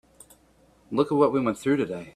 Look at what we went through today.